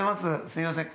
すいません。